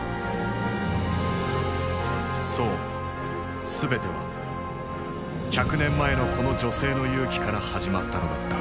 そう全ては百年前のこの女性の勇気から始まったのだった。